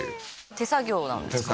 手作業なんですか？